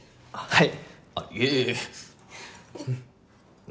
はい。